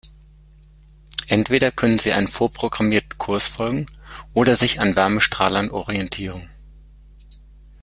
Entweder können sie einem vorprogrammierten Kurs folgen oder sich an Wärmestrahlern orientieren.